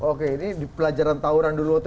oke ini pelajaran tauran dulu tsm ada